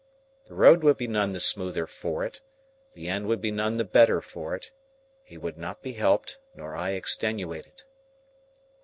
The road would be none the smoother for it, the end would be none the better for it, he would not be helped, nor I extenuated.